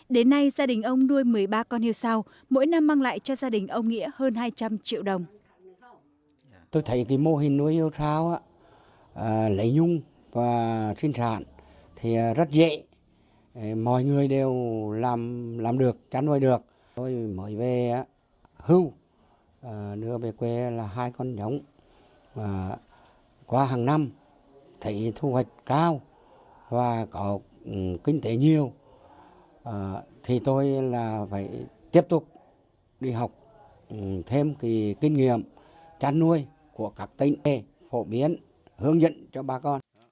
đến nay gia đình ông nuôi một mươi ba con hưu sao mỗi năm mang lại cho gia đình ông nghĩa hơn hai trăm linh triệu đồng